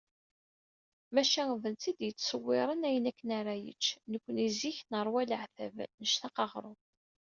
Maca d netta i d-yettsewwiren ayen akken ara yečč, nekni zik neṛwa leεtab, nectaq aγrum.